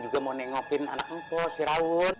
juga mau nengokin anak engko si rawun